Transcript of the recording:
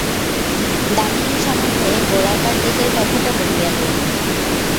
দামিনী সম্বন্ধে গোড়াকার দিকের কথাটা বলিয়া লই।